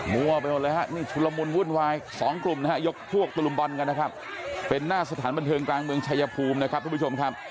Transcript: วัวไปหมดเลยฮะนี่ชุลมุนวุ่นวายสองกลุ่มนะฮะยกพวกตะลุมบอลกันนะครับเป็นหน้าสถานบันเทิงกลางเมืองชายภูมินะครับทุกผู้ชมครับ